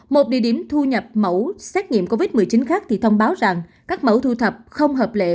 một địa điểm thu nhập mẫu xét nghiệm covid một mươi chín khác thì thông báo rằng các mẫu thu thập không hợp lệ